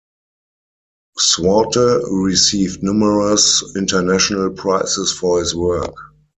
Swarte received numerous international prizes for his work.